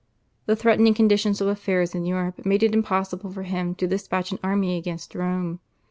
The threatening condition of affairs in Europe made it impossible for him to despatch an army against Rome.